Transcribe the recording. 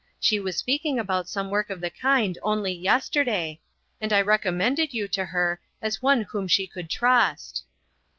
She was speaking about some work of the kind only yesterday, and I rec ommended you to her as one whom she could trust."